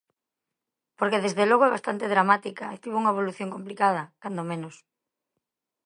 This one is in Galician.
Porque desde logo é bastante dramática e tivo unha evolución complicada, cando menos.